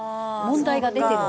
問題が出てる？